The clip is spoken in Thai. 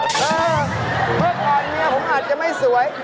เมื่อก่อนเมียผมอาจจะไม่สวย